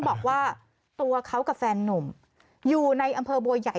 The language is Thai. บอกว่าตัวเขากับแฟนนุ่มอยู่ในอำเภอบัวใหญ่